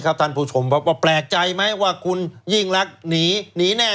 ท่านผู้ชมครับว่าแปลกใจไหมว่าคุณยิ่งรักหนีหนีแน่